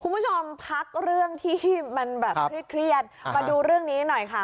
คุณผู้ชมพักเรื่องที่มันแบบเครียดมาดูเรื่องนี้หน่อยค่ะ